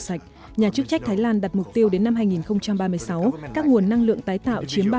sạch nhà chức trách thái lan đặt mục tiêu đến năm hai nghìn ba mươi sáu các nguồn năng lượng tái tạo chiếm ba mươi